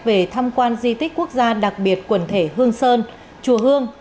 về tham quan di tích quốc gia đặc biệt quần thể hương sơn chùa hương